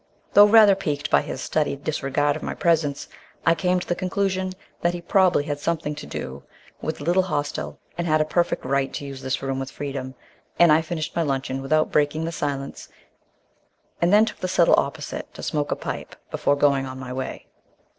Though rather piqued by his studied disregard of my presence, I came to the conclusion that he probably had something to do with the little hostel and had a perfect right to use this room with freedom, and I finished my luncheon without breaking the silence and then took the settle opposite to smoke a pipe before going on my way.